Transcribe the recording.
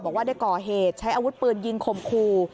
บอกว่าได้ก่อเหตุใช้อาวุธปืนยิงขมครู